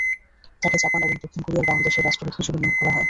তাঁকে জাপান এবং দক্ষিণ কোরিয়ায় বাংলাদেশের রাষ্ট্রদূত হিসেবে নিয়োগ করা হয়।